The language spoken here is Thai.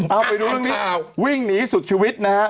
เอาไปดูเรื่องนี้วิ่งหนีสุดชีวิตนะฮะ